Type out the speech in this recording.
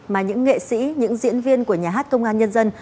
mà những nghệ sĩ những diễn viên của nhà hát công an nhân dân